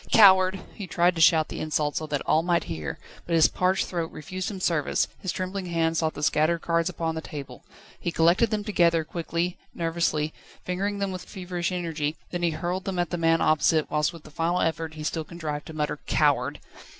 "Coward!" He tried to shout the insult so that all might hear, but his parched throat refused him service, his trembling hand sought the scattered cards upon the table, he collected them together, quickly, nervously, fingering them with feverish energy, then he hurled them at the man opposite, whilst with a final effort he still contrived to mutter: "Coward!"